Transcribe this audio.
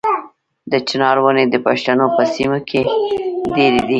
د چنار ونې د پښتنو په سیمو کې ډیرې دي.